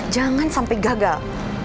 jangan sampai gagal